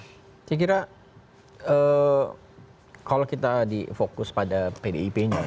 saya kira kalau kita di fokus pada pdip nya